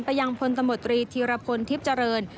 ยังพลตมตรีธีรพลทิพย์เจริญ